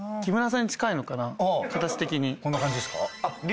こんな感じですか？